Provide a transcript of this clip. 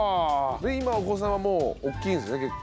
で今お子さんはもう大きいんですね結構。